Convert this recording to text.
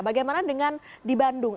bagaimana dengan di bandung